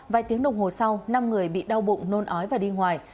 vài tiếng đồng hồ sau năm người bị đau bụng nôn ói và đi ngoài